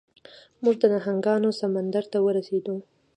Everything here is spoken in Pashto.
موږ د نهنګانو سمندر ته ورسیدو.